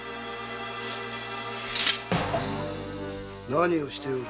何をしておる？